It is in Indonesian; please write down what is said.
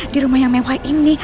di rumah yang mewah ini